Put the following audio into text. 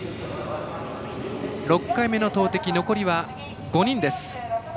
６回目の投てき、残りは５人です。